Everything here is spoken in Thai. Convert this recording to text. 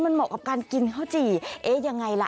มันเหมาะกับการกินข้าวจี่เอ๊ะยังไงล่ะ